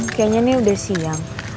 kayaknya ini udah siang